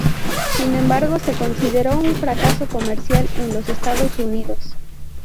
Sin embargo se consideró un fracaso comercial en los Estados Unidos.